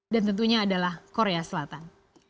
dan tentunya adalah korea selatan